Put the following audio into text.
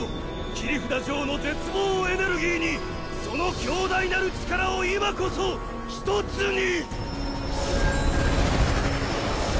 切札ジョーの絶望をエネルギーにその強大なる力を今こそ１つに！